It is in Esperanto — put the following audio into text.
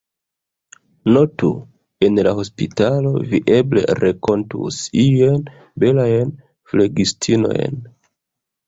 Notu, en la hospitalo, vi eble renkontus iujn belajn flegistinojn.